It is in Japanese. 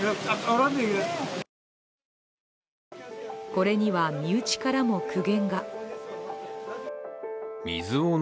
これには、身内からも苦言が。